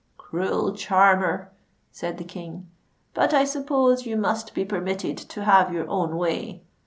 "Cruel charmer!" said the King: "but I suppose you must be permitted to have your own way.